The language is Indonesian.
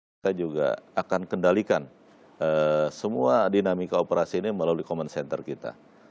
kita juga akan kendalikan semua dinamika operasi ini melalui common center kita